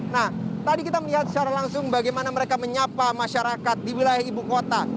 nah tadi kita melihat secara langsung bagaimana mereka menyapa masyarakat di wilayah ibu kota